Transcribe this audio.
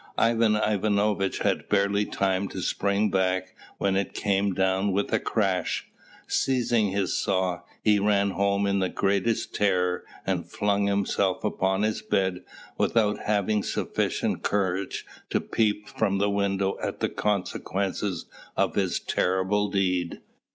Ivan Ivanovitch had barely time to spring back when it came down with a crash. Seizing his saw, he ran home in the greatest terror and flung himself upon his bed, without having sufficient courage to peep from the window at the consequences of his terrible deed.